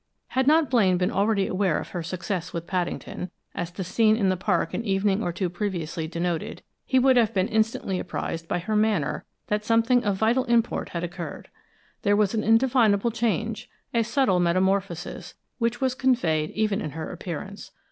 Had not Blaine been already aware of her success with Paddington, as the scene in the park an evening or two previously denoted, he would have been instantly apprised by her manner that something of vital import had occurred. There was an indefinable change, a subtle metamorphosis, which was conveyed even in her appearance.